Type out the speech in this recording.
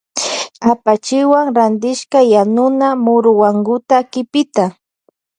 Apachiwan rantishka yanuna muruwankuna kipita.